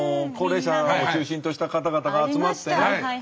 高齢者を中心とした方々が集まってね。